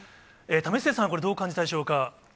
為末さん、これ、どう感じたでしょうか。